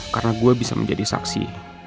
karena gue bisa menjadi saksi